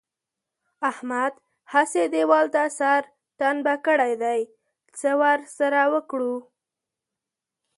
احمد هسې دېوال ته سر ټنبه کړی دی؛ څه ور سره وکړو؟!